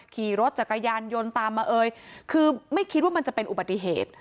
ขี่รถจักรยานยนต์ตามมาเอ่ยคือไม่คิดว่ามันจะเป็นอุบัติเหตุ